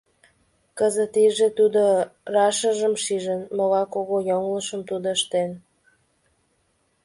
Кызыт иже тудо рашыжым шижын: могай кугу йоҥылышым тудо ыштен...